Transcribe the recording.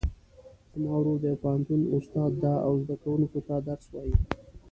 زما ورور د یو پوهنتون استاد ده او زده کوونکو ته درس وایي